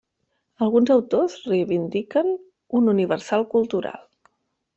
Alguns autors reivindiquen un universal cultural.